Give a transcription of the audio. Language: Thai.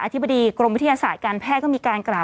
ธิบดีกรมวิทยาศาสตร์การแพทย์ก็มีการกล่าว